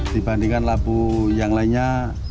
dibandingkan labu yang lainnya